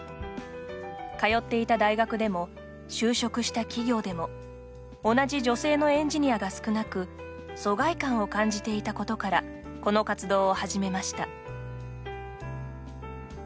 通っていた大学でも就職した企業でも同じ女性のエンジニアが少なく疎外感を感じていたことからこの活動を始めました。